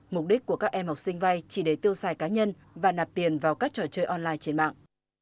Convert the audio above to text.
mục đích của các em học sinh vay chỉ để tiêu xài cá nhân và nạp tiền vào các trò chơi online trên mạng